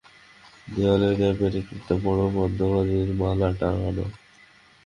দেওয়ালের গায়ে পেরেকে একটা বড় পদ্মবীজের মালা টাঙানো।